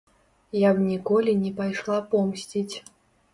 Я б ніколі не пайшла помсціць.